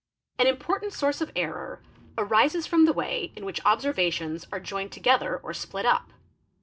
__ An important source of error arises from the way in which observya _ tions are joined together or split up.